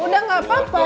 udah gak apa apa